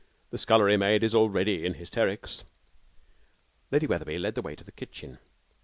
The scullery maid is already in hysterics.' Lady Wetherby led the way to the kitchen.